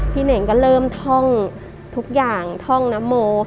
เน่งก็เริ่มท่องทุกอย่างท่องนโม